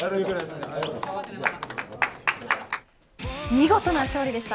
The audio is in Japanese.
見事な勝利でした。